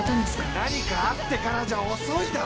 何かあってからじゃ遅いだろ！